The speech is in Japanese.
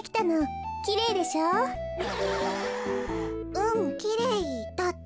「うんきれい」だって。